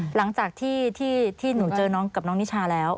หลังจากที่หนูเจอน้องกับน้องนิชาแล้ว